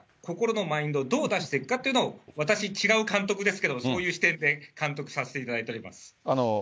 心のマインドをどう出していくかっていうのを、私、違う監督ですけど、そういう視点で監督させていただいております。